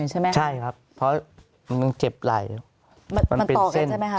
ใช่ครับเพราะมันเจ็บไหลมันเป็นเส้นต่อกันใช่ไหมครับ